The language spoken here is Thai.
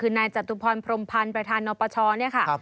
คือนายจตุพรพรมพันธ์ประธานนปชเนี่ยค่ะ